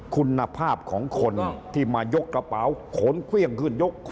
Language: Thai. คุณภาพของคนที่มายกกระเป๋าขนเครื่องขึ้นยก